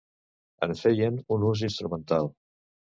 En feien un ús instrumental.